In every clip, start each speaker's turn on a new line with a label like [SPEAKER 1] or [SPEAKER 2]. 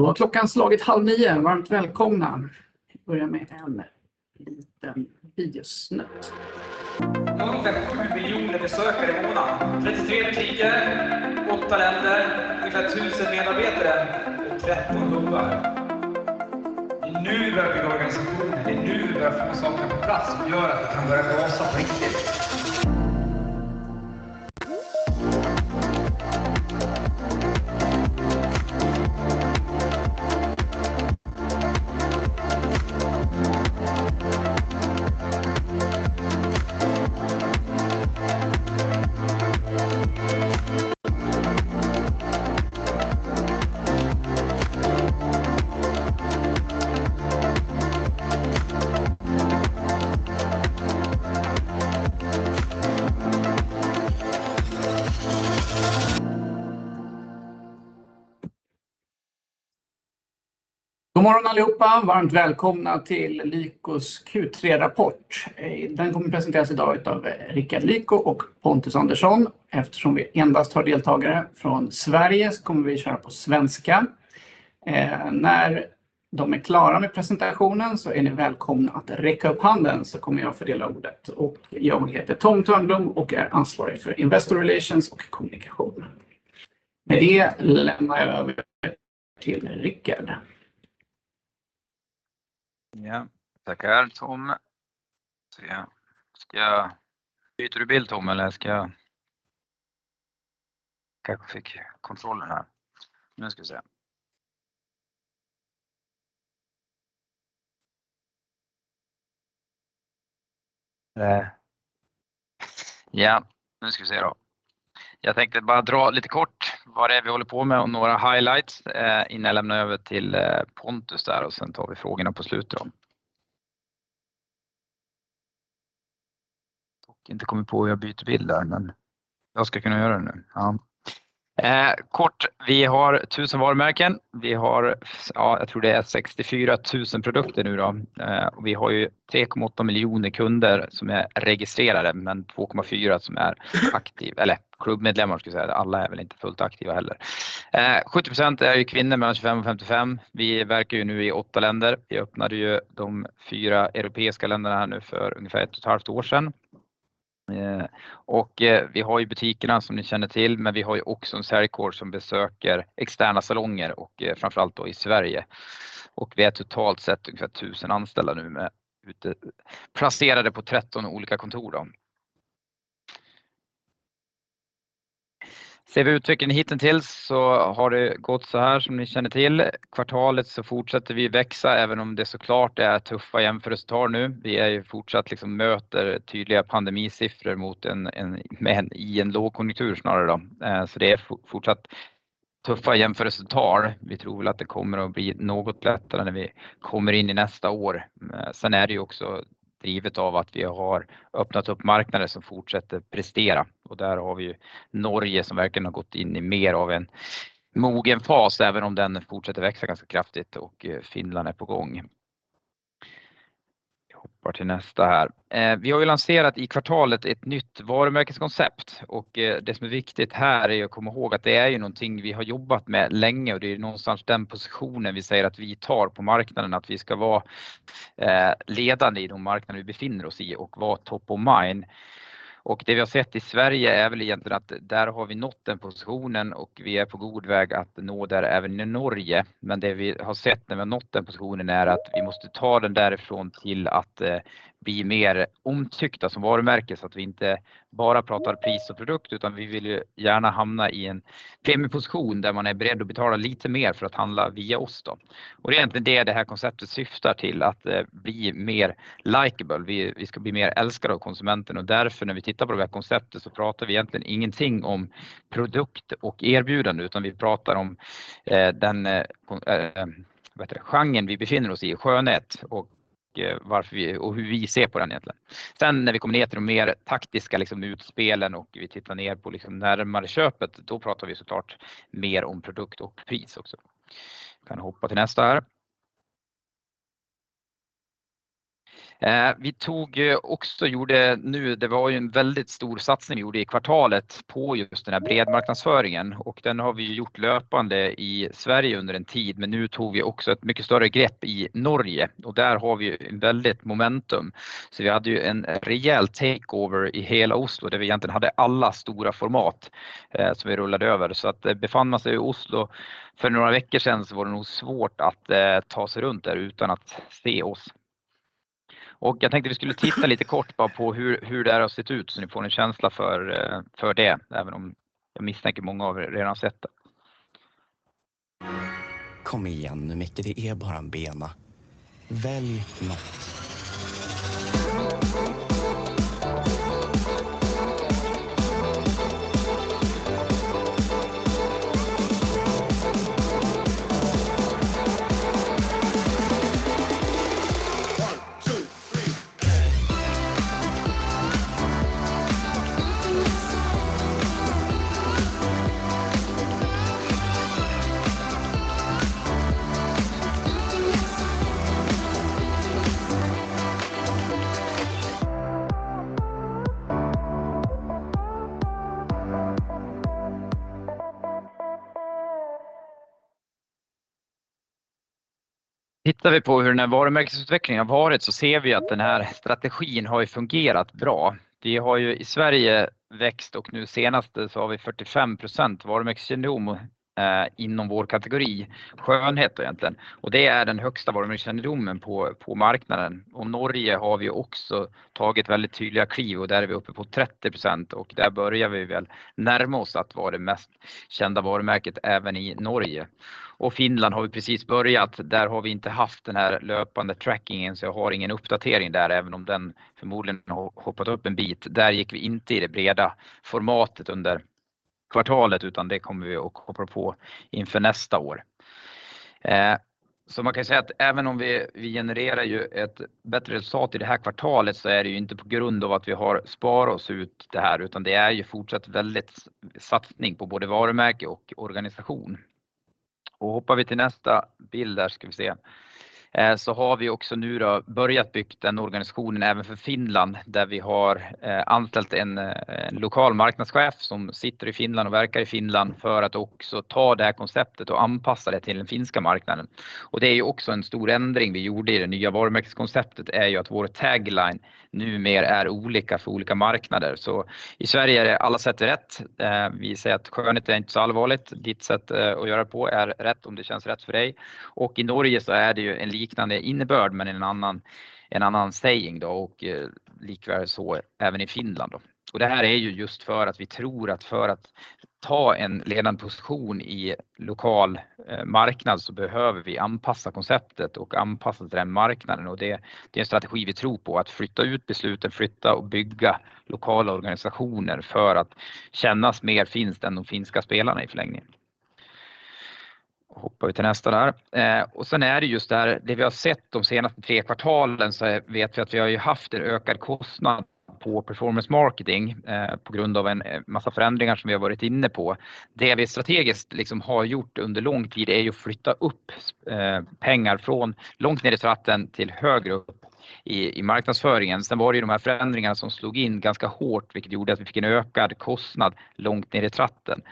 [SPEAKER 1] Då har klockan slagit halv nio. Varmt välkomna. Vi börjar med en liten videosnutt.
[SPEAKER 2] Ungefär 7 miljoner besökare i månaden. 33 butiker, 8 länder, ungefär 1 000 medarbetare, 13 hubbar. Det är nu vi börjar bygga organisationen, det är nu vi börjar få saker på plats som gör att det kan börja rasa på riktigt.
[SPEAKER 1] God morgon allihopa. Varmt välkomna till Lykos Q3-rapport. Den kommer att presenteras i dag av Rickard Lyko och Pontus Andersson. Eftersom vi endast har deltagare från Sverige så kommer vi att köra på svenska. När de är klara med presentationen så är ni välkomna att räcka upp handen så kommer jag att fördela ordet. Jag heter Tom Thörnblom och är ansvarig för Investor Relations och Kommunikation. Med det lämnar jag över till Rickard.
[SPEAKER 3] Ja, tackar Tom. Då ska jag, byter du bild Tom eller ska jag? Kanske fick kontrollen här. Ja, nu ska vi se då. Jag tänkte bara dra lite kort vad det är vi håller på med och några highlights innan jag lämnar över till Pontus där och sen tar vi frågorna på slutet då. Inte kommer på hur jag byter bild där, men jag ska kunna göra det nu. Ja, kort, vi har 1,000 varumärken. Vi har, ja, jag tror det är 64,000 produkter nu då. Vi har ju 3.8 miljoner kunder som är registrerade, men 2.4 som är aktiv, eller klubbmedlemmar ska jag säga. Alla är väl inte fullt aktiva heller. 70% är ju kvinnor mellan 25 och 55. Vi verkar ju nu i 8 länder. Vi öppnade ju de fyra europeiska länderna nu för ungefär ett och ett halvt år sedan. Vi har ju butikerna som ni känner till, men vi har ju också en säljkår som besöker externa salonger och framför allt då i Sverige. Vi är totalt sett ungefär tusen anställda nu med, placerade på 13 olika kontor då. Ser vi utvecklingen hittills så har det gått såhär som ni känner till. Kvartalet så fortsätter vi växa även om det så klart är tuffa jämförelsetal nu. Vi är ju fortsatt, möter tydliga pandemisiffror mot en i en lågkonjunktur snarare då. Det är fortsatt tuffa jämförelseresultat. Vi tror väl att det kommer att bli något lättare när vi kommer in i nästa år. Det är ju också drivet av att vi har öppnat upp marknader som fortsätter prestera. Där har vi ju Norge som verkligen har gått in i mer av en mogen fas, även om den fortsätter växa ganska kraftigt och Finland är på gång. Jag hoppar till nästa här. Vi har ju lanserat i kvartalet ett nytt varumärkeskoncept och det som är viktigt här är att komma ihåg att det är ju någonting vi har jobbat med länge och det är ju någonstans den positionen vi säger att vi tar på marknaden att vi ska vara, ledande i de marknaden vi befinner oss i och vara top of mind. Det vi har sett i Sverige är väl egentligen att där har vi nått den positionen och vi är på god väg att nå där även i Norge. Det vi har sett när vi har nått den positionen är att vi måste ta den därifrån till att bli mer omtyckta som varumärke, så att vi inte bara pratar pris och produkt, utan vi vill ju gärna hamna i en premiumposition där man är beredd att betala lite mer för att handla via oss då. Det är egentligen det här konceptet syftar till att bli mer likeable. Vi ska bli mer älskad av konsumenten och därför när vi tittar på det här konceptet så pratar vi egentligen ingenting om produkt och erbjudande, utan vi pratar om den, vad heter det, genren vi befinner oss i, skönhet och varför vi, och hur vi ser på den egentligen. När vi kommer ner till de mer taktiska liksom utspelen och vi tittar ner på liksom närmare köpet, då pratar vi så klart mer om produkt och pris också. Kan hoppa till nästa här. Vi tog också det var ju en väldigt stor satsning vi gjorde i kvartalet på just den här bredmarknadsföringen och den har vi gjort löpande i Sverige under en tid, men nu tog vi också ett mycket större grepp i Norge och där har vi ett väldigt momentum. Vi hade ju en rejäl takeover i hela Oslo, där vi egentligen hade alla stora format som vi rullade över. Befann man sig i Oslo för några veckor sedan så var det nog svårt att ta sig runt där utan att se oss. Jag tänkte vi skulle titta lite kort bara på hur det där har sett ut så ni får en känsla för det, även om jag misstänker många av er redan sett det.
[SPEAKER 1] Kom igen Micke, det är bara en bena. Välj nåt.
[SPEAKER 3] Tittar vi på hur den här varumärkesutvecklingen har varit så ser vi att den här strategin har ju fungerat bra. Vi har ju i Sverige växt och nu senaste så har vi 45% varumärkeskännedom inom vår kategori skönhet egentligen. Det är den högsta varumärkeskännedomen på marknaden. Norge har vi också tagit väldigt tydliga kliv och där är vi uppe på 30% och där börjar vi väl närma oss att vara det mest kända varumärket även i Norge. Finland har vi precis börjat. Där har vi inte haft den här löpande trackingen så jag har ingen uppdatering där även om den förmodligen har hoppat upp en bit. Där gick vi inte i det breda formatet under kvartalet, utan det kommer vi att hoppar på inför nästa år. Man kan säga att även om vi genererar ju ett bättre resultat i det här kvartalet, så är det ju inte på grund av att vi har sparat oss ut det här, utan det är ju fortsatt väldigt satsning på både varumärke och organisation. Hoppar vi till nästa bild, där ska vi se. Har vi också nu då börjat byggt den organisationen även för Finland, där vi har anställt en lokal marknadschef som sitter i Finland och verkar i Finland för att också ta det här konceptet och anpassa det till den finska marknaden. Det är ju också en stor ändring vi gjorde i det nya varumärkeskonceptet, är ju att vår tagline numera är olika för olika marknader. I Sverige är det alla sätter rätt. Vi säger att skönhet är inte så allvarligt. Ditt sätt att göra på är rätt om det känns rätt för dig. I Norge så är det ju en liknande innebörd, men en annan saying då och likvärdig så även i Finland då. Det här är ju just för att vi tror att för att ta en ledande position i lokal marknad så behöver vi anpassa konceptet och anpassa till den marknaden. Det är en strategi vi tror på att flytta ut besluten, flytta och bygga lokala organisationer för att kännas mer finskt än de finska spelarna i förlängningen. Hoppar vi till nästa där. Sen är det just det här, det vi har sett de senaste tre kvartalen så vet vi att vi har ju haft en ökad kostnad på performance marketing på grund av en massa förändringar som vi har varit inne på. Det vi strategiskt liksom har gjort under lång tid är ju att flytta upp pengar från långt ner i tratten till högre upp i marknadsföringen. Var det ju de här förändringarna som slog in ganska hårt, vilket gjorde att vi fick en ökad kostnad långt ner i tratten.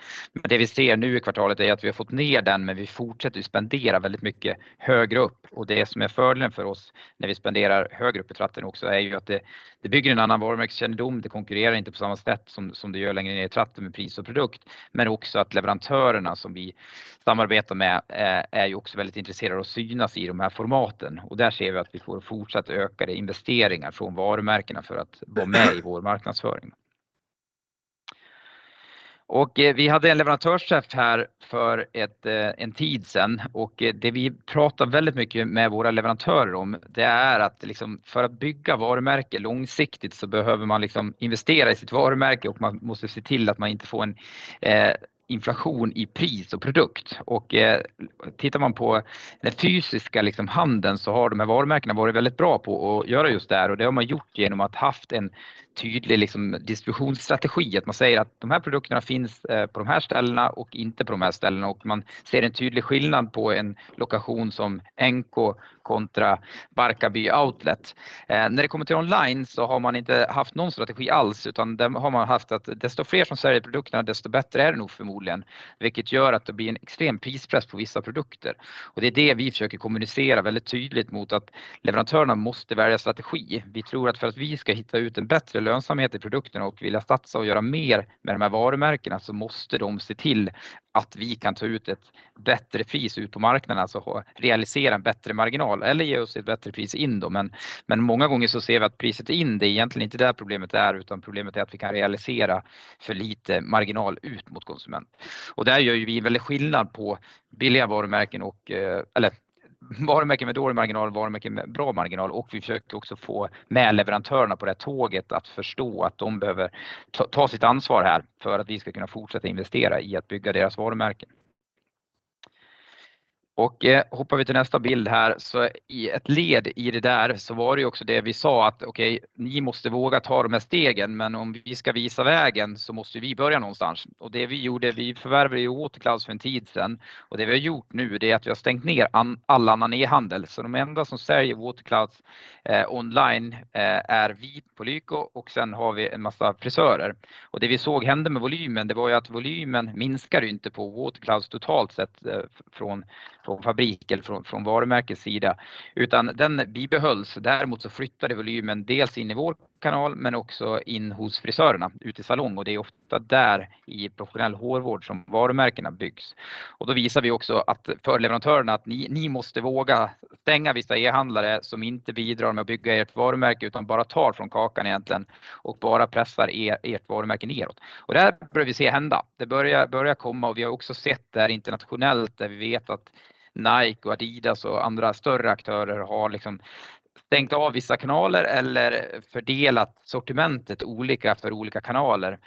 [SPEAKER 3] Det vi ser nu i kvartalet är att vi har fått ner den, men vi fortsätter att spendera väldigt mycket högre upp. Det som är fördelen för oss när vi spenderar högre upp i tratten också är ju att det bygger en annan varumärkeskännedom. Det konkurrerar inte på samma sätt som det gör längre ner i tratten med pris och produkt, men också att leverantörerna som vi samarbetar med är ju också väldigt intresserade att synas i de här formaten. Där ser vi att vi får fortsatt ökade investeringar från varumärkena för att vara med i vår marknadsföring. Vi hade en leverantörschef här för en tid sedan och det vi pratar väldigt mycket med våra leverantörer om det är att liksom för att bygga varumärke långsiktigt så behöver man liksom investera i sitt varumärke och man måste se till att man inte får en inflation i pris och produkt. Tittar man på den fysiska liksom handeln så har de här varumärkena varit väldigt bra på att göra just det här. Det har man gjort genom att haft en tydlig liksom distributionsstrategi. Att man säger att de här produkterna finns på de här ställena och inte på de här ställena. Man ser en tydlig skillnad på en location som NK kontra Barkarby Outlet. När det kommer till online så har man inte haft någon strategi alls, utan där har man haft att desto fler som säljer produkterna, desto bättre är det nog förmodligen, vilket gör att det blir en extrem prispress på vissa produkter. Det är det vi försöker kommunicera väldigt tydligt mot att leverantörerna måste välja strategi. Vi tror att för att vi ska hitta ut en bättre lönsamhet i produkterna och vilja satsa och göra mer med de här varumärkena, så måste de se till att vi kan ta ut ett bättre pris ut på marknaden, alltså realisera en bättre marginal eller ge oss ett bättre pris in då. Men många gånger så ser vi att priset in, det är egentligen inte det problemet, utan problemet är att vi kan realisera för lite marginal ut mot konsument. Där gör ju vi väldigt skillnad på billiga varumärken och eller varumärken med dålig marginal och varumärken med bra marginal. Vi försöker också få med leverantörerna på det tåget att förstå att de behöver ta sitt ansvar här för att vi ska kunna fortsätta investera i att bygga deras varumärken. Hoppar vi till nästa bild här så i ett led i det där så var det också det vi sa att okej, ni måste våga ta de här stegen, men om vi ska visa vägen så måste vi börja någonstans. Det vi gjorde, vi förvärvar ju Waterclouds för en tid sedan och det vi har gjort nu det är att vi har stängt ner all annan e-handel. De enda som säljer Waterclouds online är vi på Lyko och sen har vi en massa frisörer. Det vi såg hände med volymen, det var ju att volymen minskar ju inte på Waterclouds totalt sett från fabrik eller från varumärkets sida, utan den bibehölls. Flyttade volymen dels in i vår kanal, men också in hos frisörerna ute i salong. Det är ofta där i professionell hårvård som varumärkena byggs. Då visar vi också att för leverantörerna att ni måste våga stänga vissa e-handlare som inte bidrar med att bygga ert varumärke utan bara tar från kakan egentligen och bara pressar er, ert varumärke neråt. Det här börjar vi se hända. Det börjar komma och vi har också sett det här internationellt där vi vet att Nike och Adidas och andra större aktörer har liksom stängt av vissa kanaler eller fördelat sortimentet olika för olika kanaler.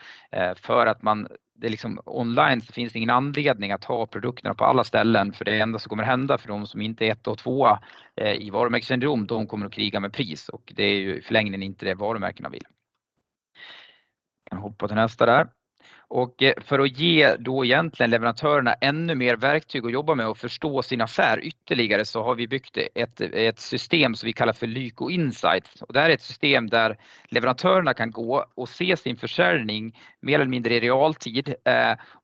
[SPEAKER 3] För att man, det liksom online finns ingen anledning att ha produkterna på alla ställen. För det enda som kommer hända för de som inte är etta och tvåa i varumärkeskännedom, de kommer att kriga med pris och det är ju i förlängningen inte det varumärkena vill. Kan hoppa till nästa där. För att ge då egentligen leverantörerna ännu mer verktyg att jobba med och förstå sin affär ytterligare så har vi byggt ett system som vi kallar för Lyko Insight. Och det här är ett system där leverantörerna kan gå och se sin försäljning mer eller mindre i realtid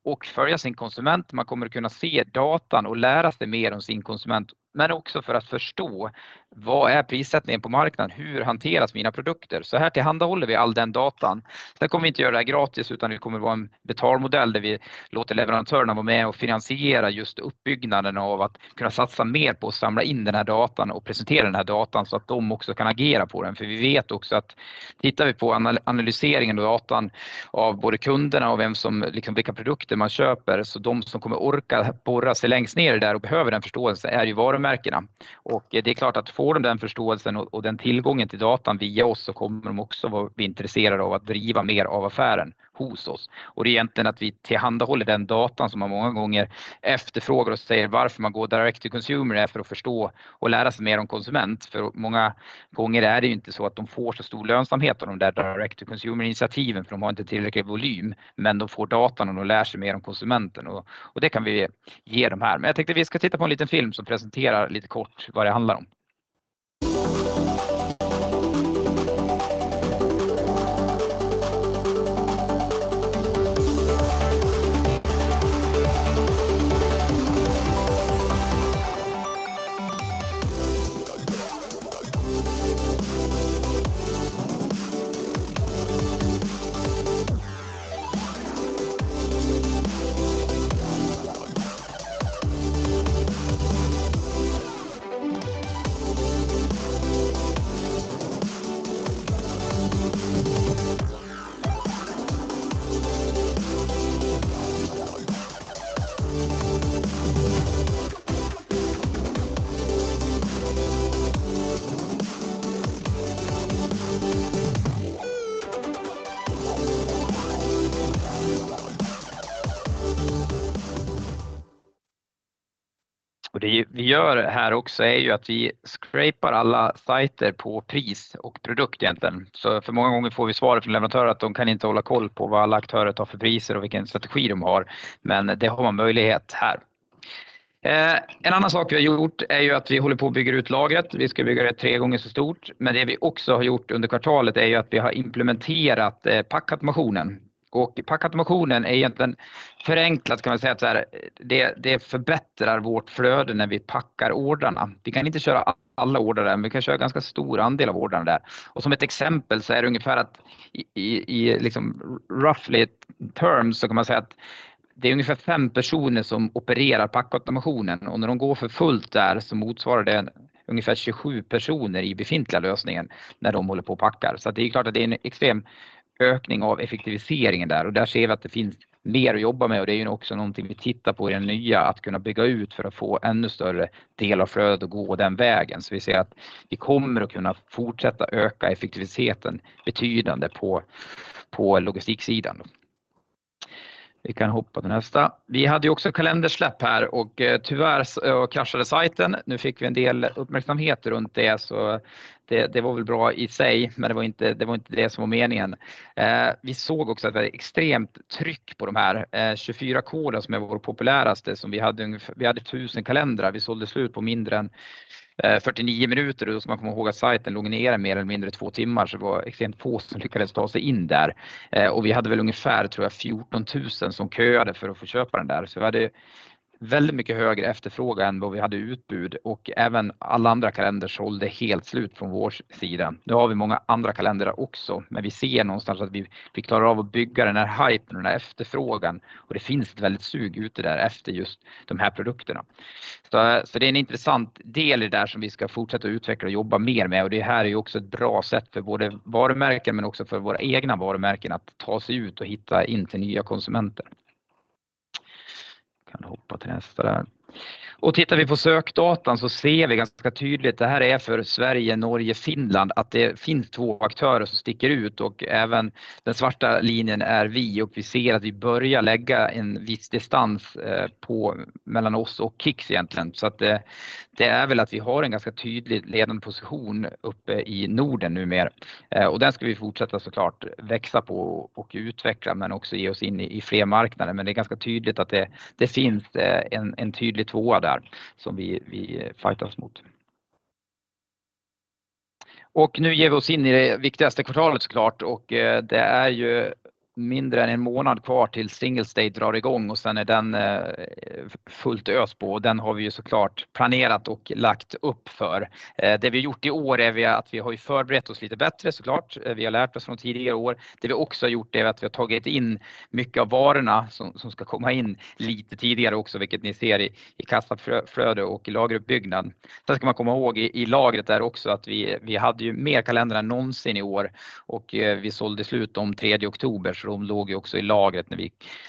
[SPEAKER 3] och följa sin konsument. Man kommer att kunna se datan och lära sig mer om sin konsument, men också för att förstå vad är prissättningen på marknaden, hur hanteras mina produkter. Så här tillhandahåller vi all den datan. Kommer vi inte göra det här gratis, utan det kommer att vara en betalmodell där vi låter leverantörerna vara med och finansiera just uppbyggnaden av att kunna satsa mer på att samla in den här datan och presentera den här datan så att de också kan agera på den. För vi vet också att tittar vi på analyseringen och datan av både kunderna och vem som, liksom vilka produkter man köper, så de som kommer orka borra sig längst ner där och behöver den förståelsen är ju varumärkena. Det är klart att de får den förståelsen och den tillgången till datan via oss så kommer de också bli intresserade av att driva mer av affären hos oss. Det är egentligen att vi tillhandahåller den datan som man många gånger efterfrågar och säger varför man går direct to consumer är för att förstå och lära sig mer om konsument. För många gånger är det ju inte så att de får så stor lönsamhet av de där direct to consumer-initiativen för de har inte tillräcklig volym, men de får datan och de lär sig mer om konsumenten och det kan vi ge dem här. Jag tänkte vi ska titta på en liten film som presenterar lite kort vad det handlar om. Det vi gör här också är ju att vi scrapar alla sajter på pris och produkt egentligen. För många gånger får vi svar från leverantörer att de kan inte hålla koll på vad alla aktörer tar för priser och vilken strategi de har. Det har man möjlighet här. En annan sak vi har gjort är ju att vi håller på och bygger ut lagret. Vi ska bygga det tre gånger så stort. Det vi också har gjort under kvartalet är ju att vi har implementerat packautomationen. Packautomationen är egentligen förenklat kan man säga att det förbättrar vårt flöde när vi packar ordrarna. Vi kan inte köra alla ordrar, men vi kan köra ganska stor andel av ordrarna där. Som ett exempel så är det ungefär att i liksom roughly terms så kan man säga att det är ungefär 5 personer som opererar packautomationen. När de går för fullt där så motsvarar det ungefär 27 personer i befintliga lösningen när de håller på och packar. Det är klart att det är en extrem ökning av effektiviseringen där och där ser vi att det finns mer att jobba med. Det är också någonting vi tittar på i den nya att kunna bygga ut för att få ännu större del av flöde att gå den vägen. Vi ser att vi kommer att kunna fortsätta öka effektiviteten betydande på logistiksidan. Vi kan hoppa till nästa. Vi hade också kalendersläpp här och tyvärr så kraschade sajten. Nu fick vi en del uppmärksamhet runt det, så det var väl bra i sig, men det var inte det som var meningen. Vi såg också ett extremt tryck på de här 24K som är vår populäraste, som vi hade ungefär 1,000 kalendrar. Vi sålde slut på mindre än 49 minuter. Då ska man komma ihåg att sajten låg nere mer eller mindre 2 timmar. Det var extremt på som lyckades ta sig in där. Vi hade väl ungefär tror jag 14,000 som köade för att få köpa den där. Vi hade väldigt mycket högre efterfrågan än vad vi hade utbud och även alla andra kalendrar sålde helt slut från vår sida. Nu har vi många andra kalendrar också, men vi ser någonstans att vi vi klarar av att bygga den här hajpen och den här efterfrågan. Det finns ett väldigt sug ute där efter just de här produkterna. Det är en intressant del i det där som vi ska fortsätta utveckla och jobba mer med. Det här är ju också ett bra sätt för både varumärken men också för våra egna varumärken att ta sig ut och hitta in till nya konsumenter. Kan hoppa till nästa där. Tittar vi på sökdatan så ser vi ganska tydligt, det här är för Sverige, Norge, Finland, att det finns två aktörer som sticker ut och även den svarta linjen är vi och vi ser att vi börjar lägga en viss distans på mellan oss och Kicks egentligen. Att det är väl att vi har en ganska tydlig ledande position uppe i Norden numer. Den ska vi fortsätta så klart växa på och utveckla, men också ge oss in i fler marknader. Det är ganska tydligt att det finns en tydlig tvåa där som vi fajtas mot. Nu ger vi oss in i det viktigaste kvartalet så klart och det är ju mindre än en månad kvar tills Singles' Day drar igång och sen är den fullt ös på. Den har vi ju så klart planerat och lagt upp för. Det vi har gjort i år är att vi har ju förberett oss lite bättre så klart. Vi har lärt oss från tidigare år. Det vi också har gjort är att vi har tagit in mycket av varorna som ska komma in lite tidigare också, vilket ni ser i kassaflöde och i lageruppbyggnad. Man ska komma ihåg i lagret där också att vi hade ju mer kalendrar än någonsin i år och vi sålde slut den tredje oktober, så de låg ju också i lagret när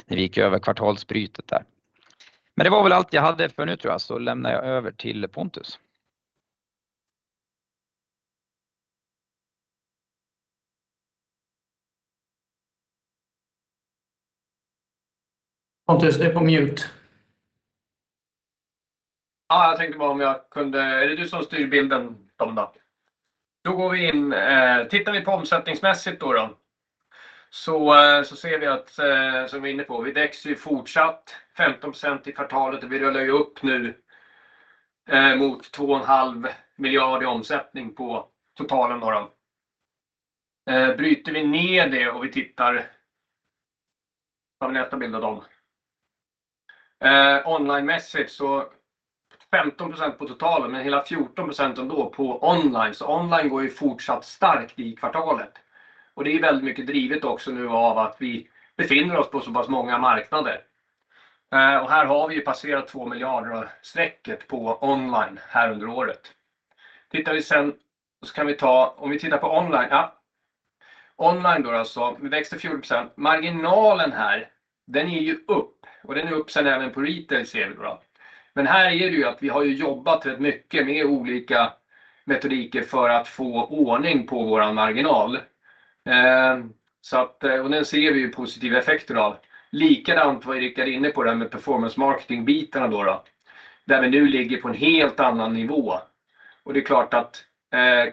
[SPEAKER 3] vi gick över kvartalsbrytet där. Det var väl allt jag hade för nu tror jag. Lämnar jag över till Pontus.
[SPEAKER 1] Pontus, du är på mute.
[SPEAKER 4] Ja, jag tänkte bara om jag kunde, är det du som styr bilden Dom då? Då går vi in, tittar vi på omsättningsmässigt då. Ser vi att, som vi är inne på, vi växer fortsatt 15% i kvartalet och vi rullar ju upp nu mot 2.5 miljard i omsättning på totalen då. Bryter vi ner det och vi tittar, ta nästa bild då Dom. Online-mässigt 15% på totalen, men hela 14% ändå på online. Online går ju fortsatt starkt i kvartalet. Det är väldigt mycket drivet också nu av att vi befinner oss på så pass många marknader. Här har vi ju passerat 2 miljarder och sträcket på online här under året. Tittar vi sen, kan vi ta, om vi tittar på online, ja. Online då alltså, vi växte 14%. Marginalen här, den är ju upp och den är upp sen även på retail ser vi då. Här är det ju att vi har ju jobbat väldigt mycket med olika metodiker för att få ordning på vår marginal. Den ser vi ju positiva effekter av. Likadant var Rickard inne på det med performance marketing bitarna då. Där vi nu ligger på en helt annan nivå. Det är klart att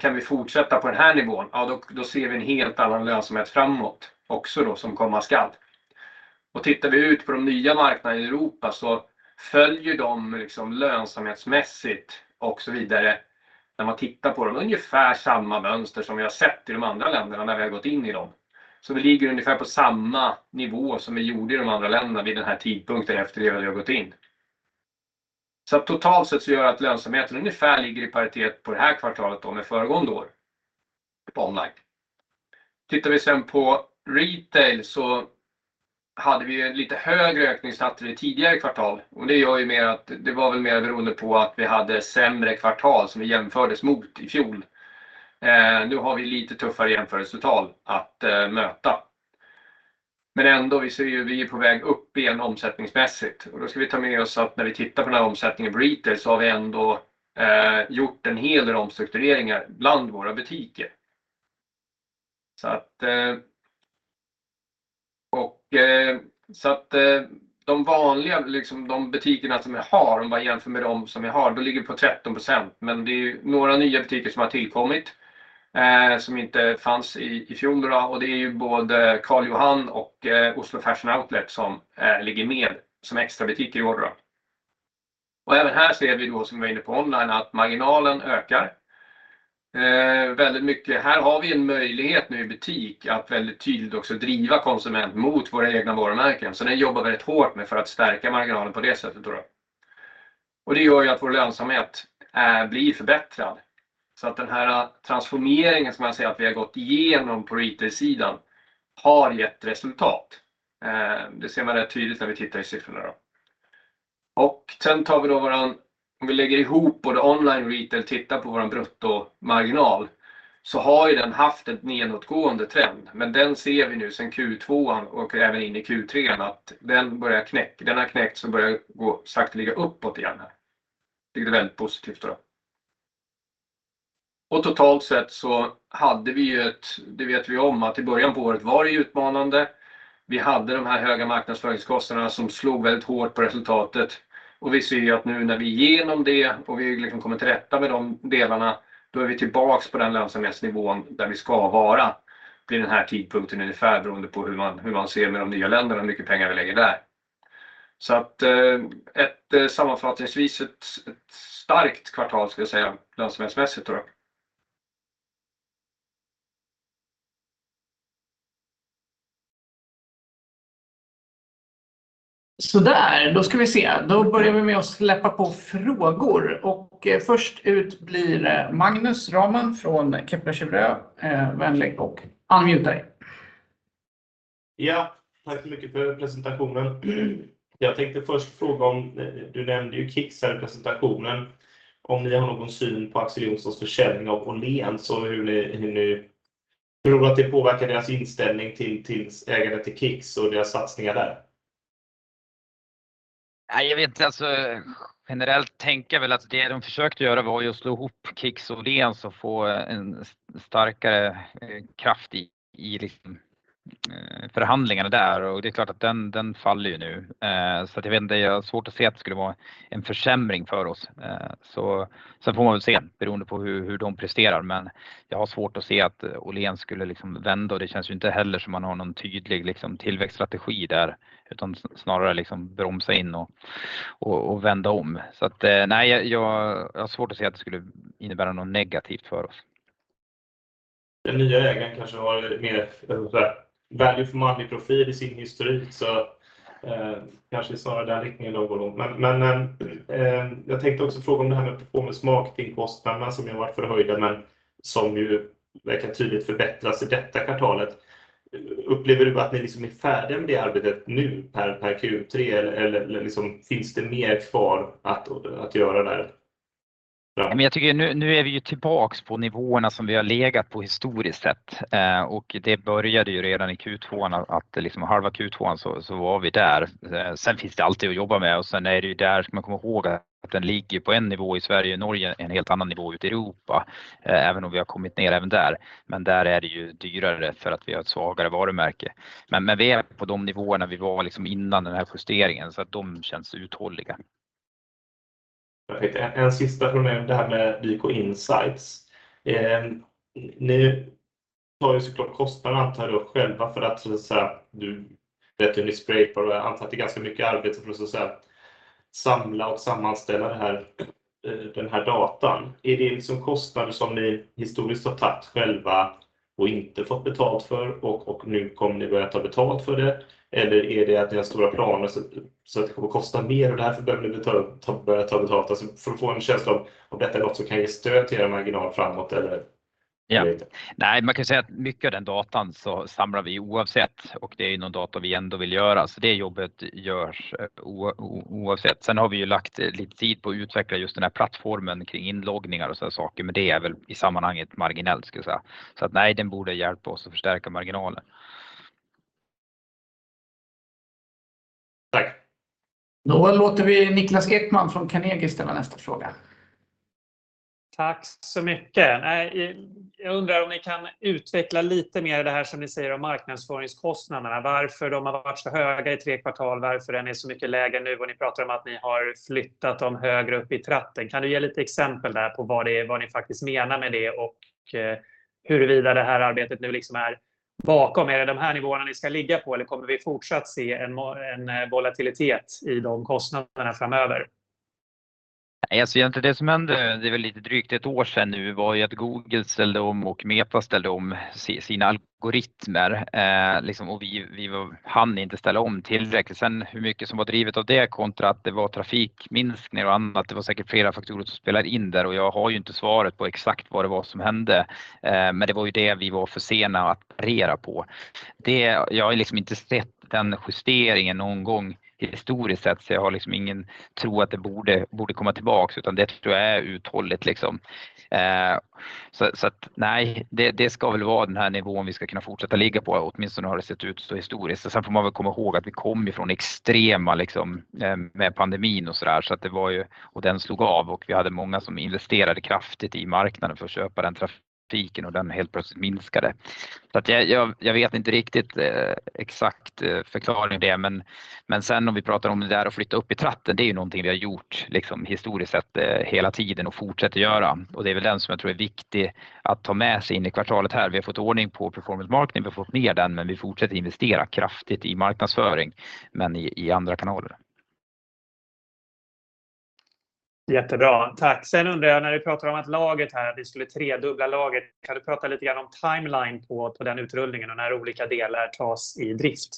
[SPEAKER 4] kan vi fortsätta på den här nivån, ja då ser vi en helt annan lönsamhet framåt också då som komma skall. Tittar vi ut på de nya marknader i Europa så följer de liksom lönsamhetsmässigt och så vidare. När man tittar på dem, ungefär samma mönster som vi har sett i de andra länderna när vi har gått in i dem. Vi ligger ungefär på samma nivå som vi gjorde i de andra länderna vid den här tidpunkten efter det att vi har gått in. Att totalt sett så gör att lönsamheten ungefär ligger i paritet på det här kvartalet då med föregående år på online. Tittar vi sen på retail så hade vi en lite högre ökningstakt vid tidigare kvartal. Det gör ju mer att det var väl mer beroende på att vi hade sämre kvartal som vi jämfördes mot i fjol. Nu har vi lite tuffare jämförelsetal att möta. Ändå, vi ser ju, vi är på väg upp igen omsättningsmässigt. Då ska vi ta med oss att när vi tittar på den här omsättningen på retail så har vi ändå, gjort en hel del omstruktureringar bland våra butiker. De vanliga, liksom de butikerna som jag har, om man jämför med dem som jag har, då ligger vi på 13%. Det är några nya butiker som har tillkommit, som inte fanns i fjol då. Det är ju både Karl Johans gate och Oslo Fashion Outlet som ligger med som extra butiker i år då. Även här ser vi då som vi är inne på online att marginalen ökar, väldigt mycket. Här har vi en möjlighet nu i butik att väldigt tydligt också driva konsument mot våra egna varumärken. Den jobbar väldigt hårt med för att stärka marginalen på det sättet då. Det gör ju att vår lönsamhet blir förbättrad. Den här transformeringen som man säger att vi har gått igenom på retailsidan har gett resultat. Det ser man rätt tydligt när vi tittar i siffrorna då. Och sen tar vi då våran, om vi lägger ihop både online retail, tittar på vår bruttomarginal, så har ju den haft ett nedåtgående trend. Men den ser vi nu sen Q2 och även in i Q3 att den börjar knäcka, den har knäckt så börjar gå sakteliga uppåt igen. Det är väldigt positivt då. Och totalt sett så hade vi ju ett, det vet vi om att i början på året var det utmanande. Vi hade de här höga marknadsföringskostnaderna som slog väldigt hårt på resultatet. Vi ser ju att nu när vi är igenom det och vi liksom kommer till rätta med de delarna, då är vi tillbaka på den lönsamhetsnivån där vi ska vara vid den här tidpunkten ungefär beroende på hur man ser med de nya länderna, hur mycket pengar vi lägger där. Så att ett sammanfattningsvis, ett starkt kvartal ska jag säga lönsamhetsmässigt då.
[SPEAKER 1] Sådär, då ska vi se. Då börjar vi med att släppa på frågor och först ut blir Magnus Råman från Kepler Cheuvreux. Var vänlig och unmute dig.
[SPEAKER 5] Ja, tack så mycket för presentationen. Jag tänkte först fråga om, du nämnde ju Kicks här i presentationen, om ni har någon syn på Axel Johnsons försäljning av Åhléns. Tror du att det påverkar deras inställning till ägandet i Kicks och deras satsningar där?
[SPEAKER 3] Nej, jag vet inte. Alltså generellt tänker jag väl att det de försökte göra var att slå ihop Kicks och Åhléns och få en starkare kraft i liksom förhandlingarna där. Det är klart att den faller ju nu. Jag vet, jag har svårt att se att det skulle vara en försämring för oss. Sen får man väl se, beroende på hur de presterar. Jag har svårt att se att Åhléns skulle liksom vända och det känns ju inte heller som man har någon tydlig liksom tillväxtstrategi där. Snarare liksom bromsa in och vända om. Nej, jag har svårt att se att det skulle innebära något negativt för oss.
[SPEAKER 5] Den nya ägaren kanske har mer såhär value for money profil i sin historik, så kanske snarare den riktningen de går då. Jag tänkte också fråga om det här med performance marketing kostnaderna som ju har varit förhöjda, men som ju verkar tydligt förbättras i detta kvartalet. Upplever du att ni liksom är färdig med det arbetet nu per Q3? Liksom finns det mer kvar att göra där?
[SPEAKER 3] Ja, men jag tycker nu är vi ju tillbaka på nivåerna som vi har legat på historiskt sett. Och det började ju redan i Q2 att liksom halva Q2 så var vi där. Sen finns det alltid att jobba med och sen är det ju där ska man komma ihåg att den ligger på en nivå i Sverige och Norge, en helt annan nivå ute i Europa. Även om vi har kommit ner även där. Men där är det ju dyrare för att vi har ett svagare varumärke. Vi är på de nivåerna vi var liksom innan den här justeringen så att de känns uthålliga.
[SPEAKER 5] Perfekt. En sista från mig, det här med Lyko Insight. Ni tar ju så klart kostnaden antar jag själva för att så att säga du vet att ni sprayar och jag antar att det är ganska mycket arbete för att så att säga samla och sammanställa det här, den här datan. Är det en kostnad som ni historiskt har tagit själva och inte fått betalt för och nu kommer ni börja ta betalt för det? Eller är det att ni har stora planer så att det kommer kosta mer och därför behöver ni börja ta betalt? Alltså för att få en känsla av om detta är något som kan ge stöd till eran marginal framåt eller?
[SPEAKER 3] Ja. Nej, man kan säga att mycket av den datan så samlar vi oavsett och det är någon data vi ändå vill göra. Det jobbet görs oavsett. Har vi lagt lite tid på att utveckla just den här plattformen kring inloggningar och sådana saker, men det är väl i sammanhanget marginellt skulle jag säga. Nej, den borde hjälpa oss att förstärka marginalen.
[SPEAKER 1] Tack. Då låter vi Niklas Ekman från Carnegie ställa nästa fråga.
[SPEAKER 6] Tack så mycket. Nej, jag undrar om ni kan utveckla lite mer det här som ni säger om marknadsföringskostnaderna. Varför de har varit så höga i tre kvartal? Varför den är så mycket lägre nu? Och ni pratar om att ni har flyttat dem högre upp i tratten. Kan du ge lite exempel där på vad det är, vad ni faktiskt menar med det och huruvida det här arbetet nu liksom är bakom? Är det de här nivåerna ni ska ligga på eller kommer vi fortsatt se en volatilitet i de kostnaderna framöver?
[SPEAKER 3] Jag ser inte det som hände. Det är väl lite drygt ett år sedan nu var ju att Google ställde om och Meta ställde om sina algoritmer. Liksom och vi hann inte ställa om tillräckligt. Sen hur mycket som var drivet av det kontra att det var trafikminskning och annat. Det var säkert flera faktorer som spelar in där och jag har ju inte svaret på exakt vad det var som hände. Men det var ju det vi var för sena att parera på. Det, jag har liksom inte sett den justeringen någon gång historiskt sett. Så jag har liksom ingen tro att det borde komma tillbaka, utan det tror jag är uthållet liksom. Så att nej, det ska väl vara den här nivån vi ska kunna fortsätta ligga på. Åtminstone har det sett ut så historiskt. Får man väl komma ihåg att vi kom ju från extrema liksom med pandemin och sådär. Att det var ju, och den slog av och vi hade många som investerade kraftigt i marknaden för att köpa den trafiken och den helt plötsligt minskade. Att jag vet inte riktigt exakt förklaring till det. Sen om vi pratar om det där att flytta upp i tratten, det är ju någonting vi har gjort liksom historiskt sett hela tiden och fortsätter göra. Det är väl den som jag tror är viktig att ta med sig in i kvartalet här. Vi har fått ordning på performance marketing, vi har fått ner den, men vi fortsätter investera kraftigt i marknadsföring, men i andra kanaler.
[SPEAKER 6] Jättebra, tack. Undrar jag när du pratar om att laget här, att vi skulle tredubbla laget. Kan du prata lite grann om timeline på den utrullningen och när olika delar tas i drift?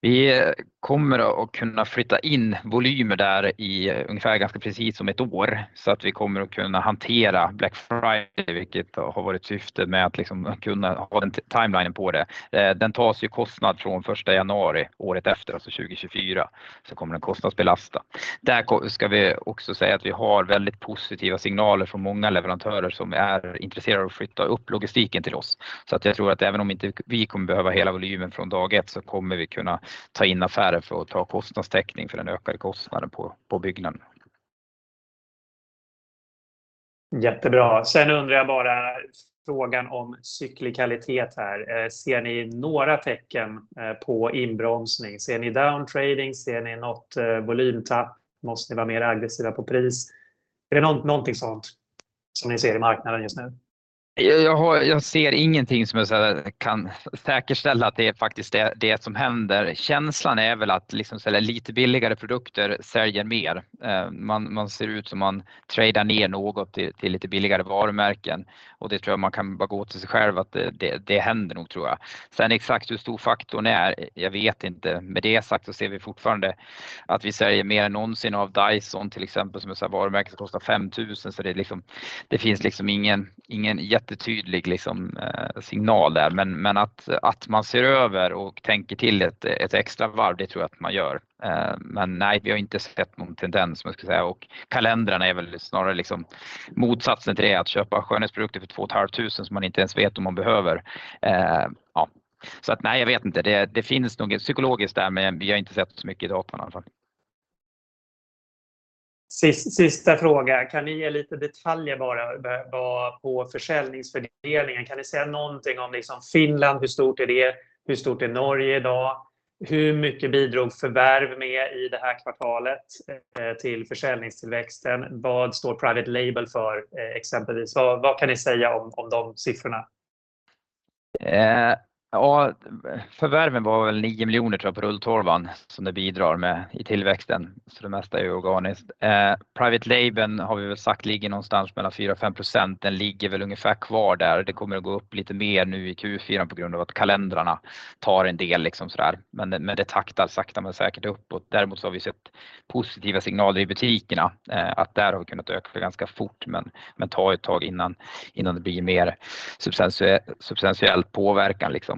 [SPEAKER 3] Vi kommer att kunna flytta in volymer där i ungefär ganska precis om ett år så att vi kommer att kunna hantera Black Friday, vilket har varit syftet med att liksom kunna ha den timelinen på det. Den tas ju i kostnad från första januari året efter, alltså 2024, så kommer den kostnadsbelasta. Där ska vi också säga att vi har väldigt positiva signaler från många leverantörer som är intresserade att flytta upp logistiken till oss. Att jag tror att även om inte vi kommer behöva hela volymen från dag ett så kommer vi kunna ta in affärer för att ta kostnadstäckning för den ökade kostnaden på byggnaden.
[SPEAKER 6] Jättebra. Undrar jag bara frågan om cyklikalitet här. Ser ni några tecken på inbromsning? Ser ni downtrading? Ser ni något volymtapp? Måste ni vara mer aggressiva på pris? Är det någonting sådant som ni ser i marknaden just nu?
[SPEAKER 3] Jag ser ingenting som jag kan säkerställa att det är faktiskt det som händer. Känslan är väl att liksom sälja lite billigare produkter, säljer mer. Man ser ut som man träder ner något till lite billigare varumärken och det tror jag man kan bara gå till sig själv att det händer nog tror jag. Exakt hur stor faktorn är, jag vet inte. Med det sagt så ser vi fortfarande att vi säljer mer än någonsin av Dyson, till exempel, som är ett varumärke som kostar 5000. Så det liksom, det finns liksom ingen jätte tydlig liksom signal där. Men att man ser över och tänker till ett extra varv, det tror jag att man gör. Nej, vi har inte sett någon tendens och kalendrarna är väl snarare liksom motsatsen till det att köpa skönhetsprodukter för 2,500 som man inte ens vet om man behöver. Ja, så att nej, jag vet inte. Det finns nog psykologiskt där, men vi har inte sett så mycket i datan i alla fall.
[SPEAKER 6] Sist, sista fråga. Kan ni ge lite detaljer bara på försäljningsfördelningen? Kan ni säga någonting om liksom Finland? Hur stort är det? Hur stort är Norge i dag? Hur mycket bidrog förvärv med i det här kvartalet till försäljningstillväxten? Vad står private label för exempelvis? Vad kan ni säga om de siffrorna?
[SPEAKER 3] Ja, förvärven var väl 9 million tror jag på Rulltårlan som det bidrar med i tillväxten. Det mesta är organiskt. Private label har vi väl sagt ligger någonstans mellan 4% och 5%. Den ligger väl ungefär kvar där. Det kommer att gå upp lite mer nu i Q4 på grund av att kalendrarna tar en del liksom sådär. Det taktar sakta men säkert uppåt. Däremot har vi sett positiva signaler i butikerna att där har vi kunnat öka ganska fort, men tar ett tag innan det blir mer substantiell påverkan liksom.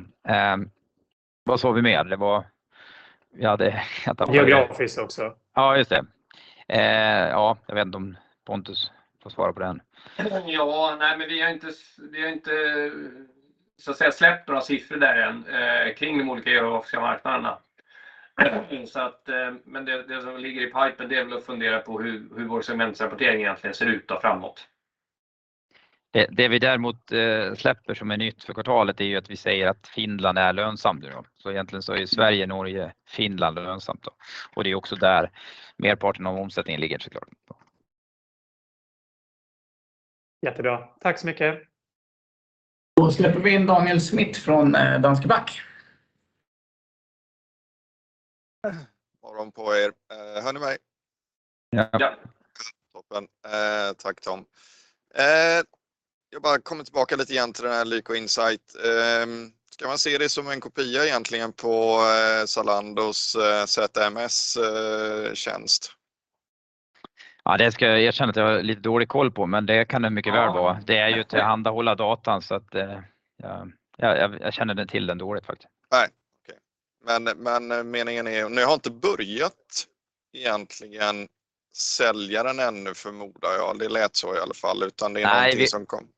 [SPEAKER 3] Vad sa vi mer?
[SPEAKER 6] Geografiskt också.
[SPEAKER 3] Ja, just det. Ja, jag vet inte om Pontus får svara på den.
[SPEAKER 4] Ja, nej men vi har inte så att säga släppt några siffror där än kring de olika geografiska marknaderna. Men det som ligger i pipelinen det är väl att fundera på hur vår segmentsrapportering egentligen ser ut då framåt.
[SPEAKER 3] Det vi däremot släpper som är nytt för kvartalet är ju att vi säger att Finland är lönsamt nu då. Egentligen så är Sverige, Norge, Finland lönsamt då. Det är också där merparten av omsättningen ligger så klart.
[SPEAKER 1] Jättebra. Tack så mycket. Då släpper vi in Daniel Schmidt från Danske Bank.
[SPEAKER 7] God morgon på er. Hör ni mig?
[SPEAKER 4] Ja.
[SPEAKER 7] Toppen. Tack Tom. Jag bara kommer tillbaka lite grann till den här Lyko Insight. Ska man se det som en kopia egentligen på Zalando's ZMS-tjänst?
[SPEAKER 3] Det ska jag erkänna att jag har lite dålig koll på, men det kan mycket väl vara. Det är ju tillhandahålla datan så att jag känner den till dåligt faktiskt.
[SPEAKER 7] Nej, okej, men meningen är att ni har inte börjat egentligen sälja den ännu förmodar jag. Det lät så i alla fall, utan det är någonting som kom.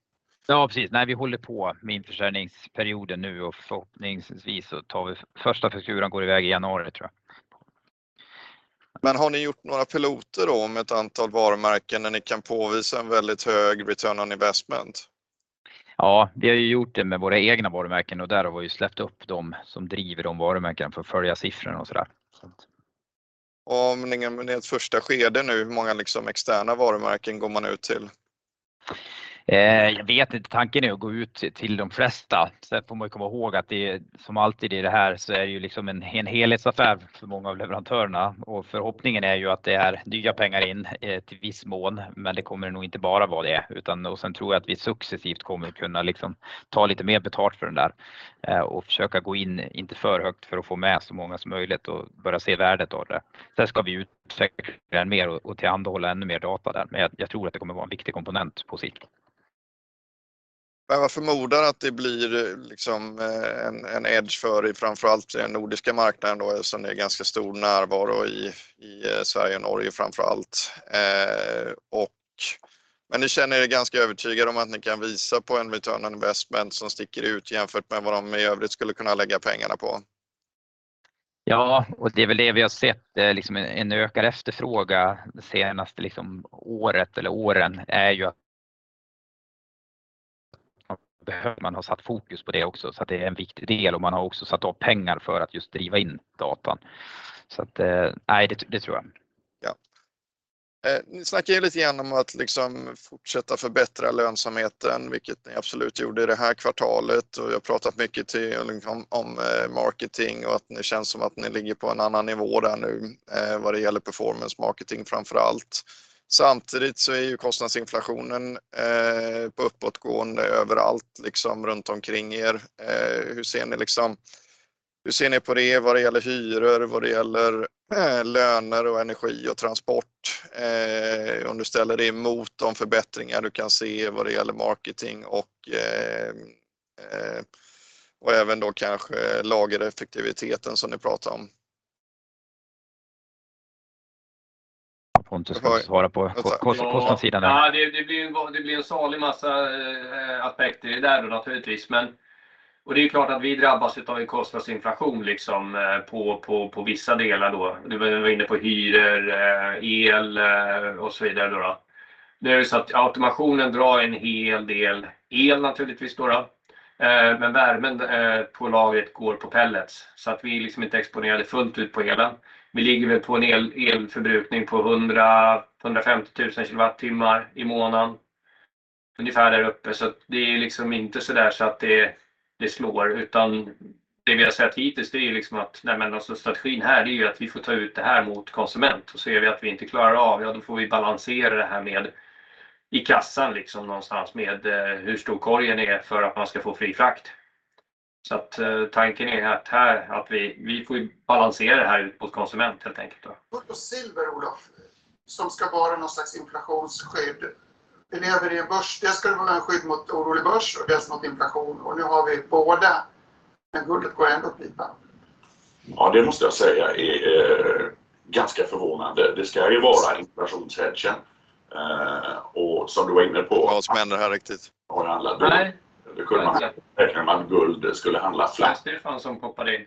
[SPEAKER 3] Ja, precis. Nej, vi håller på med införsäljningsperioden nu och förhoppningsvis så tar vi första fakturan går i väg i januari tror jag.
[SPEAKER 7] Har ni gjort några piloter då med ett antal varumärken där ni kan påvisa en väldigt hög return on investment?
[SPEAKER 3] Ja, vi har ju gjort det med våra egna varumärken och där har vi släppt upp de som driver de varumärkena för att följa siffrorna och sådär.
[SPEAKER 7] Om ni är i ert första skede nu, hur många liksom externa varumärken går man ut till?
[SPEAKER 3] Jag vet inte. Tanken är att gå ut till de flesta. Får man komma ihåg att det, som alltid i det här, så är det ju liksom en helhetsaffär för många av leverantörerna. Förhoppningen är ju att det är nya pengar in till viss mån, men det kommer nog inte bara vara det. Tror jag att vi successivt kommer att kunna liksom ta lite mer betalt för den där och försöka gå in inte för högt för att få med så många som möjligt och börja se värdet av det. Ska vi utveckla mer och tillhandahålla ännu mer data där, men jag tror att det kommer vara en viktig komponent på sikt.
[SPEAKER 7] Jag förmodar att det blir liksom en edge för er, framför allt den nordiska marknaden då eftersom ni har ganska stor närvaro i Sverige och Norge framför allt. Ni känner er ganska övertygad om att ni kan visa på en return on investment som sticker ut jämfört med vad de i övrigt skulle kunna lägga pengarna på?
[SPEAKER 3] Ja, det är väl det vi har sett, liksom den ökade efterfrågan det senaste liksom året eller åren är ju att behöver man ha satt fokus på det också. Det är en viktig del och man har också satt av pengar för att just driva in datan. Nej, det tror jag.
[SPEAKER 7] Ja. Ni snackade ju lite grann om att liksom fortsätta förbättra lönsamheten, vilket ni absolut gjorde det här kvartalet. Vi har pratat mycket om marketing och att ni känns som att ni ligger på en annan nivå där nu vad det gäller performance marketing framför allt. Samtidigt så är ju kostnadsinflationen på uppåtgående överallt, liksom runt omkring er. Hur ser ni på det vad det gäller hyror, vad det gäller löner och energi och transport? Om du ställer det mot de förbättringar du kan se vad det gäller marketing och även då kanske lagereffektiviteten som ni pratar om.
[SPEAKER 3] Pontus ska svara på kostnadssidan där.
[SPEAKER 4] Ja, det blir en salig massa aspekter i det där då naturligtvis. Men det är klart att vi drabbas av en kostnadsinflation på vissa delar då. Du var inne på hyror, el och så vidare då. Nu är det så att automationen drar en hel del el naturligtvis då. Men värmen på lagret går på pellets. Så att vi är inte exponerade fullt ut på elen. Vi ligger väl på en elförbrukning på 100-150 tusen kWh i månaden. Ungefär där uppe. Så att det är inte sådär så att det slår. Utan det vi har sett hittills, det är att strategin här, det är att vi får ta ut det här mot konsument. Ser vi att vi inte klarar av, ja då får vi balansera det här med i kassan liksom någonstans med hur stor korgen är för att man ska få fri frakt. Att tanken är att här, att vi får ju balansera det här ut mot konsument helt enkelt då.
[SPEAKER 8] Guld och silver, Olof, som ska vara någon slags inflationsskydd. Vi lever i en börs. Dels ska det vara ett skydd mot orolig börs och dels mot inflation. Nu har vi båda, men guldet går ändå upp pipan. Ja, det måste jag säga är ganska förvånande. Det ska ju vara inflationshedgen. Som du var inne på-
[SPEAKER 7] Vad som händer här riktigt.
[SPEAKER 8] Det kunde man verkligen säga att guldet skulle handla platt. Det var Stefan som hoppade in.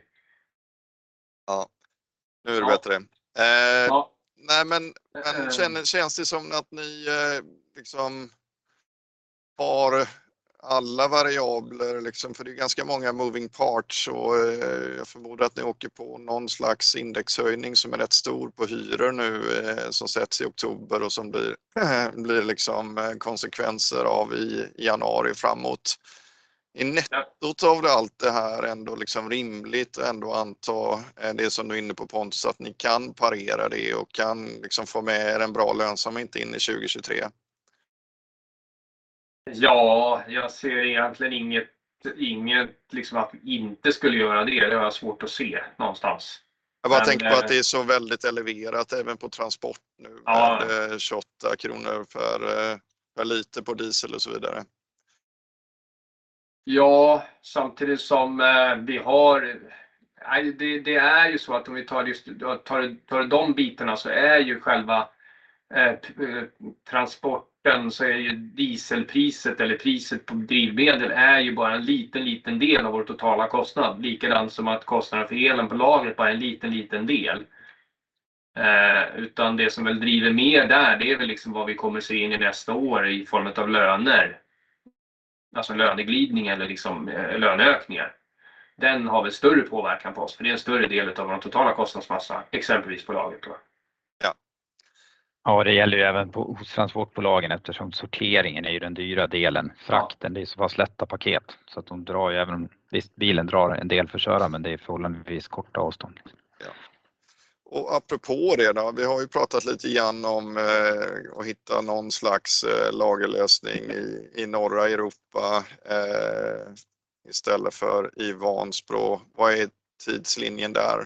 [SPEAKER 7] Ja, nu är det bättre. Nej, men känns det som att ni liksom har alla variabler liksom, för det är ganska många moving parts och jag förmodar att ni åker på någon slags indexhöjning som är rätt stor på hyror nu som sätts i oktober och som blir liksom konsekvenser av i januari framåt. Är nettot av allt det här ändå liksom rimligt ändå anta det som du är inne på Pontus att ni kan parera det och kan liksom få med er en bra lönsamhet in i 2023?
[SPEAKER 4] Ja, jag ser egentligen inget liksom att vi inte skulle göra det. Det har jag svårt att se någonstans.
[SPEAKER 7] Jag bara tänker på att det är så väldigt elevat även på transport nu. SEK 28 för liter på diesel och så vidare.
[SPEAKER 4] Nej, det är ju så att om vi tar just de bitarna så är ju själva transporten så är ju dieselpriset eller priset på drivmedel är ju bara en liten del av vår totala kostnad. Likadant som att kostnaden för elen på lagret bara är en liten del. Utan det som väl driver mer där, det är väl liksom vad vi kommer att se in i nästa år i form utav löner. Alltså löneglidning eller liksom löneökningar. Den har väl större påverkan på oss för det är en större del av vår totala kostnadsmassa, exempelvis på lagret då.
[SPEAKER 3] Ja, det gäller ju även på, hos transportbolagen eftersom sorteringen är ju den dyra delen. Frakten, det är ju så pass lätta paket. Så att de drar ju även, visst, bilen drar en del för föraren, men det är förhållandevis korta avstånd.
[SPEAKER 7] Apropå det då. Vi har ju pratat lite grann om att hitta nån slags lagerlösning i norra Europa istället för i Vansbro. Vad är tidslinjen där?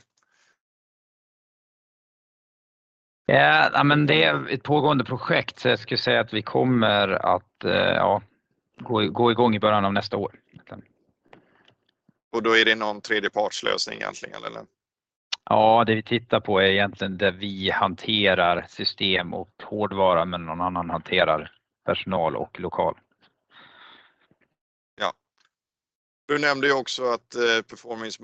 [SPEAKER 3] Ja, men det är ett pågående projekt. Så jag skulle säga att vi kommer att gå i gång i början av nästa år.
[SPEAKER 7] Då är det nån tredjepartslösning egentligen, eller?
[SPEAKER 3] Ja, det vi tittar på är egentligen där vi hanterar system och hårdvara, men nån annan hanterar personal och lokal.
[SPEAKER 7] Ja. Du nämnde ju också att performance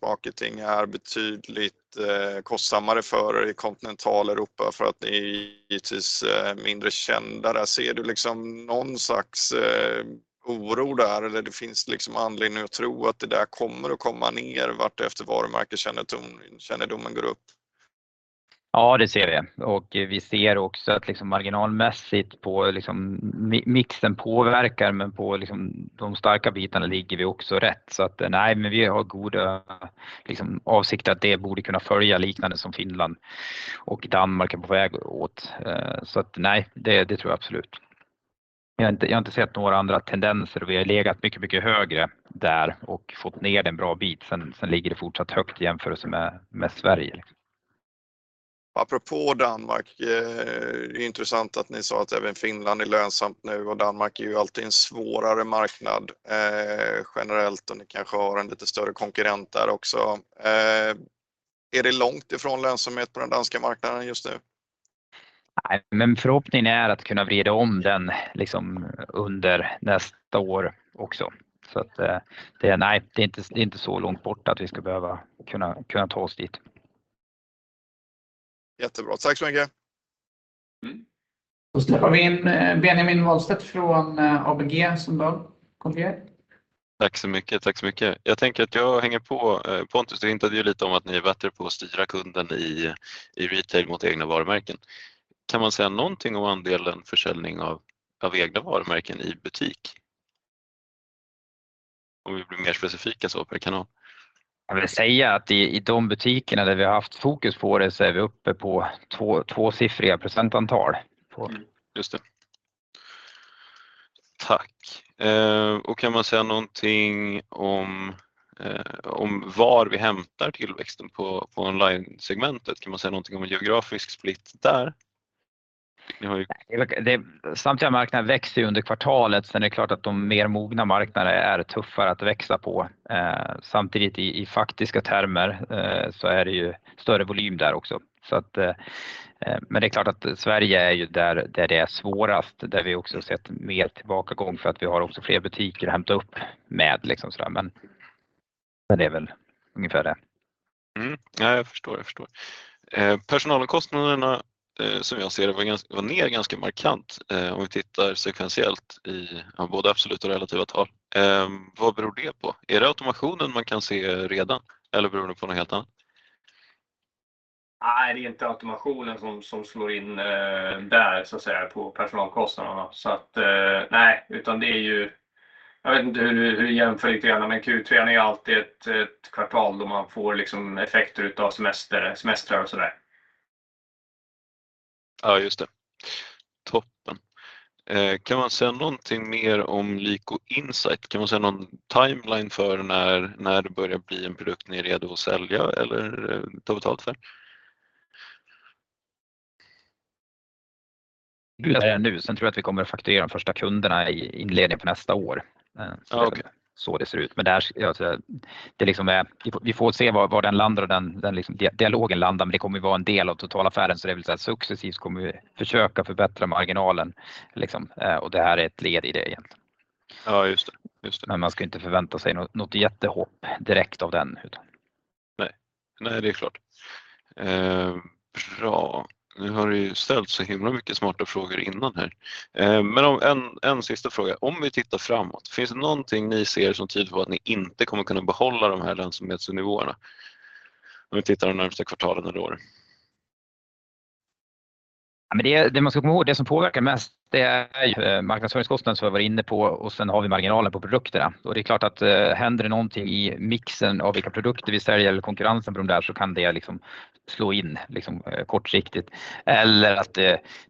[SPEAKER 7] marketing är betydligt kostsammare för er i kontinentala Europa för att ni är givetvis mindre kända där. Ser du liksom nån slags oro där? Eller det finns liksom anledning att tro att det där kommer att komma ner vartefter varumärket kännedomen går upp?
[SPEAKER 3] Ja, det ser vi. Vi ser också att liksom marginalmässigt på liksom mixen påverkar, men på liksom de starka bitarna ligger vi också rätt. Nej, men vi har goda liksom avsikter att det borde kunna följa liknande som Finland och Danmark är på väg åt. Det tror jag absolut. Jag har inte sett några andra tendenser. Vi har legat mycket högre där och fått ner det en bra bit. Sen ligger det fortsatt högt i jämförelse med Sverige.
[SPEAKER 7] Apropå Danmark, det är intressant att ni sa att även Finland är lönsamt nu och Danmark är ju alltid en svårare marknad, generellt och ni kanske har en lite större konkurrent där också. Är det långt ifrån lönsamhet på den danska marknaden just nu?
[SPEAKER 3] Nej, men förhoppningen är att kunna vrida om den liksom under nästa år också. Det är inte så långt borta att vi ska behöva kunna ta oss dit.
[SPEAKER 7] Jättebra. Tack så mycket.
[SPEAKER 1] Då släpper vi in Benjamin Wahlstedt från ABG som då kom till er.
[SPEAKER 9] Tack så mycket. Jag tänker att jag hänger på Pontus. Du hintade ju lite om att ni är bättre på att styra kunden i retail mot egna varumärken. Kan man säga nånting om andelen försäljning av egna varumärken i butik? Om vi blir mer specifika så per kanal.
[SPEAKER 3] Jag vill säga att i de butikerna där vi haft fokus på det så är vi uppe på två, tvåsiffriga procentantal på.
[SPEAKER 9] Just det. Tack. Kan man säga nånting om var vi hämtar tillväxten på onlinesegmentet? Kan man säga nånting om en geografisk splitt där? Ni har ju.
[SPEAKER 3] Samtliga marknader växer ju under kvartalet. Det är klart att de mer mogna marknader är tuffare att växa på. Samtidigt i faktiska termer så är det ju större volym där också. Så att men det är klart att Sverige är ju där det är svårast, där vi också har sett mer tillbakagång för att vi har också fler butiker att hämta upp med liksom sådär. Men det är väl ungefär det.
[SPEAKER 9] Nej, jag förstår. Personalkostnaderna som jag ser det var ner ganska markant. Om vi tittar sekventiellt i både absoluta och relativa tal. Vad beror det på? Är det automationen man kan se redan eller beror det på nåt helt annat?
[SPEAKER 4] Nej, det är inte automationen som slår in, där så att säga på personalkostnaderna. Så att nej, utan det är ju, jag vet inte hur du jämför lite grann, men Q3 är alltid ett kvartal då man får liksom effekter utav semester och sådär.
[SPEAKER 9] Ja, just det. Toppen. Kan man säga nånting mer om Lyko Insight? Kan man säga nån timeline för när det börjar bli en produkt ni är redo att sälja eller ta betalt för?
[SPEAKER 3] Tror jag att vi kommer att fakturera de första kunderna i inledningen på nästa år. Det ser ut. Där, det liksom är, vi får se var den landar och den liksom dialogen landar, men det kommer att vara en del av totalaffären. Det vill säga successivt kommer vi försöka förbättra marginalen liksom. Och det här är ett led i det egentligen.
[SPEAKER 9] Ja, just det.
[SPEAKER 3] Man ska inte förvänta sig nåt jättehopp direkt av den utan.
[SPEAKER 9] Nej, nej, det är klart. Bra. Nu har det ju ställts så himla mycket smarta frågor innan här. Men en sista fråga. Om vi tittar framåt, finns det nånting ni ser som tyder på att ni inte kommer kunna behålla de här lönsamhetsnivåerna? Om vi tittar de närmaste kvartalen eller åren.
[SPEAKER 3] Men det man ska komma ihåg, det som påverkar mest, det är ju marknadsföringskostnad som vi har varit inne på och sen har vi marginalen på produkterna. Det är klart att händer det nånting i mixen av vilka produkter vi säljer eller konkurrensen på de där, så kan det liksom slå in liksom kortsiktigt. Eller att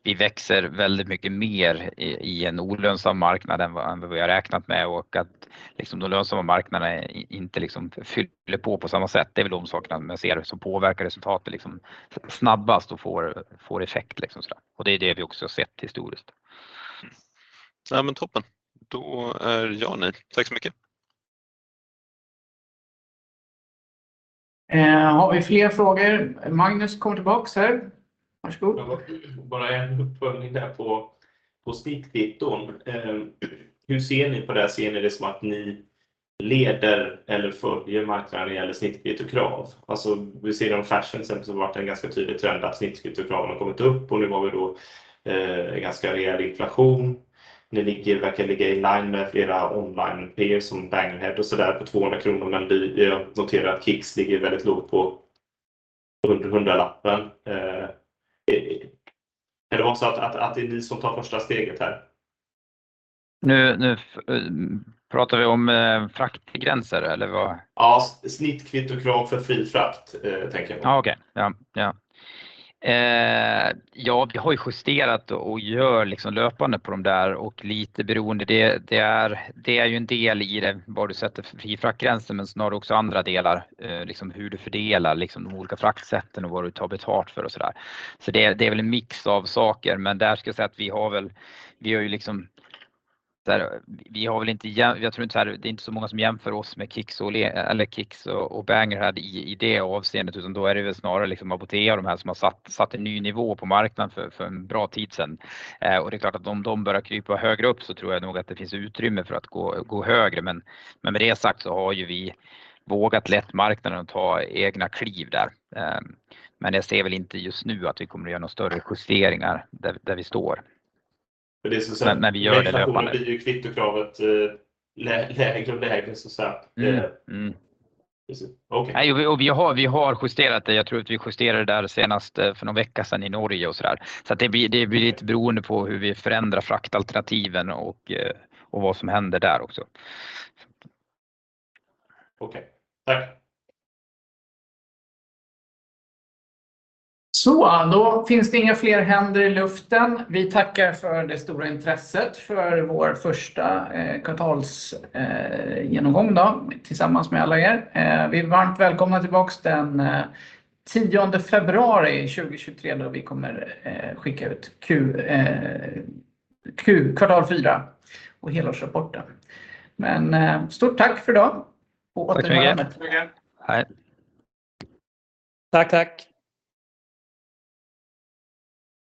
[SPEAKER 3] vi växer väldigt mycket mer i en olönsam marknad än vad vi har räknat med och att liksom de lönsamma marknaderna inte liksom fyller på på samma sätt. Det är väl de sakerna man ser som påverkar resultatet liksom snabbast och får effekt liksom så. Det är det vi också har sett historiskt.
[SPEAKER 9] Nej, men toppen. Då är jag nöjd. Tack så mycket.
[SPEAKER 1] Har vi fler frågor? Magnus kom tillbaka här. Varsågod.
[SPEAKER 5] Bara en uppföljning där på sneak peek on. Hur ser ni på det? Ser ni det som att ni leder eller följer marknaden när det gäller snittkvittokrav. Alltså vi ser inom fashion till exempel så har det varit en ganska tydlig trend att snittkvittokraven har kommit upp och nu har vi då ganska rejäl inflation. Ni verkar ligga i linje med flera online players som Bangerhead och sådär på 200 kronor, men vi noterar att Kicks ligger väldigt lågt på 100 SEK, hundralappen. Är det också att det är ni som tar första steget här?
[SPEAKER 3] Nu, nu pratar vi om fraktgränser eller vad?
[SPEAKER 5] Ja, snittkvittokrav för fri frakt tänker jag på.
[SPEAKER 3] Okej, ja. Vi har ju justerat och gör liksom löpande på de där och lite beroende. Det är ju en del i det, var du sätter fri fraktgränsen, men snarare också andra delar, liksom hur du fördelar de olika fraksätten och vad du tar betalt för och så där. Det är väl en mix av saker, men där ska jag säga att jag tror inte såhär, det är inte så många som jämför oss med Kicks och Bangerhead i det avseendet, utan då är det väl snarare liksom Apotea och de här som har satt en ny nivå på marknaden för en bra tid sedan. Det är klart att om de börjar krypa högre upp så tror jag nog att det finns utrymme för att gå högre. Med det sagt så har ju vi vågat leda marknaden att ta egna kliv där. Jag ser väl inte just nu att vi kommer att göra några större justeringar där vi står.
[SPEAKER 5] För det är så här.
[SPEAKER 3] När vi gör det löpande.
[SPEAKER 5] Blir ju kvittokravet lägre och lägre så att säga.
[SPEAKER 3] Mm.
[SPEAKER 5] Precis, okej.
[SPEAKER 3] Nej och vi har justerat det. Jag tror att vi justerade där senast för någon vecka sedan i Norge och så där. Att det blir lite beroende på hur vi förändrar fraktalternativen och vad som händer där också.
[SPEAKER 5] Okej, tack.
[SPEAKER 1] Finns det inga fler händer i luften. Vi tackar för det stora intresset för vår första kvartalsgenomgång tillsammans med alla er. Vi varmt välkomna tillbaka den tionde februari 2023 då vi kommer skicka ut Q4 och helårsrapporten. Stort tack för i dag och återkommer.
[SPEAKER 3] Tack så mycket. Hej.
[SPEAKER 8] Tack, tack.